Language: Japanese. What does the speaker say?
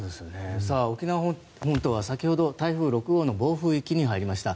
沖縄本島は先ほど台風６号の暴風域に入りました。